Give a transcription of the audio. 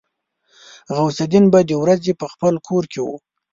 غوث الدين به د ورځې په خپل کور کې و.